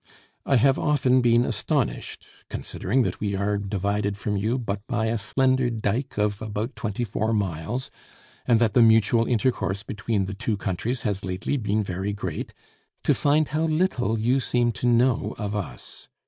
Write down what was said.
I have often been astonished, considering that we are divided from you but by a slender dike of about twenty four miles, and that the mutual intercourse between the two countries has lately been very great, to find how little you seem to know of us.